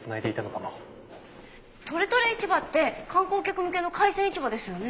とれとれ市場って観光客向けの海鮮市場ですよね。